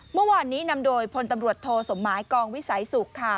เมื่อวานนี้นำโดยพลตำรวจโทสมหมายกองวิสัยสุขค่ะ